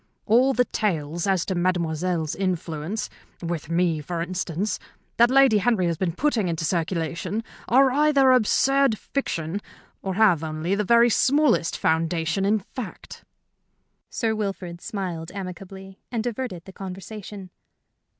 All the tales as to Mademoiselle's influence with me, for instance that Lady Henry has been putting into circulation are either absurd fiction or have only the very smallest foundation in fact." Sir Wilfrid smiled amicably and diverted the conversation.